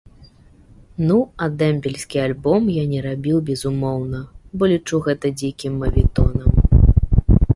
Ну, а дэмбельскі альбом я не рабіў безумоўна, бо лічу гэта дзікім маветонам.